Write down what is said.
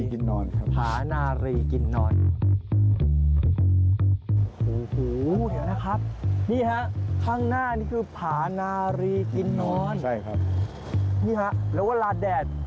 กินนอนครับพาณารีกินนอนครับพาณารีกินนอน